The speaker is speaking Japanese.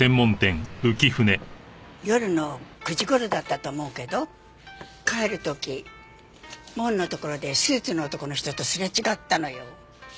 夜の９時頃だったと思うけど帰る時門のところでスーツの男の人とすれ違ったのよ。